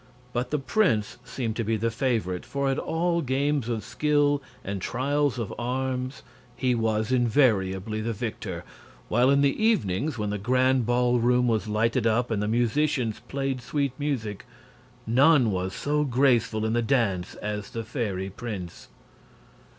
But the prince seemed to be the favorite, for at all games of skill and trials at arms he was invariably the victor, while in the evenings, when the grand ball room was lighted up and the musicians played sweet music, none was so graceful in the dance as the fairy prince.